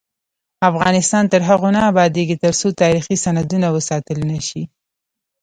افغانستان تر هغو نه ابادیږي، ترڅو تاریخي سندونه وساتل نشي.